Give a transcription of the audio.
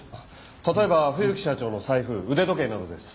例えば冬木社長の財布腕時計などです。